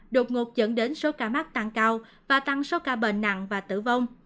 đột ngột dẫn đến số ca mắc tăng cao và tăng số ca bệnh nặng và tử vong